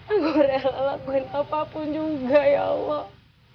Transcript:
aku lakuin apapun juga ya allah